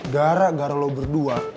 gara gara lo berdua